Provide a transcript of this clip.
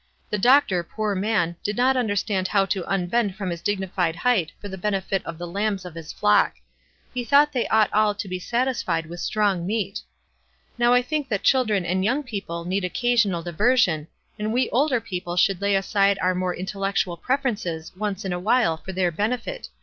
The doctor, poor man, did not understand how to unbend from his dignified height for the ben efit of the lambs of his flock. He thought they ought all to be satisfied with strong meat. Now 224 WISE AND OTHERWISE. I think that children and young people need oc casional diversion, and we older people should lay aside our more intellectual preferences once in a while for their benefit.